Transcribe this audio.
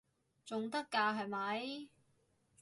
仲得㗎係咪？